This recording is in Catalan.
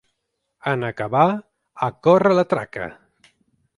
En acabar, a córrer la traca!